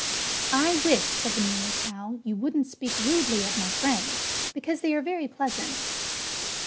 "I wish," said the Muley Cow, "you wouldn't speak rudely of my friends, because they are very pleasant."